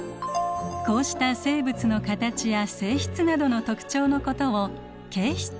こうした生物の形や性質などの特徴のことを形質といいます。